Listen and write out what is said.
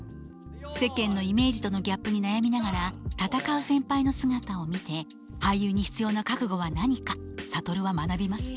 世間のイメージとのギャップに悩みながら闘う先輩の姿を見て俳優に必要な覚悟は何か諭は学びます。